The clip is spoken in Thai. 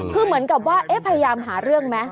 คือเหมือนกับว่าพยายามหาเรื่องไหม